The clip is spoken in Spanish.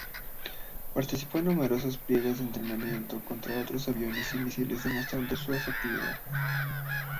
Participó en numerosos despliegues de entrenamiento contra otros aviones y misiles demostrando su efectividad.